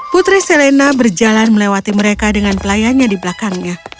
putri selena berjalan melewati mereka dengan pelayannya di belakangnya